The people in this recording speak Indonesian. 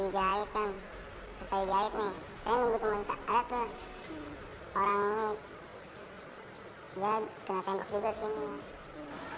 dia kena tembak juga sih